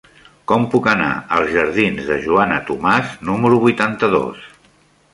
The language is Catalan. Com puc anar als jardins de Joana Tomàs número vuitanta-dos?